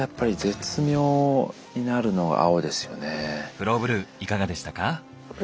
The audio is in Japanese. フローブルーいかがでしたか？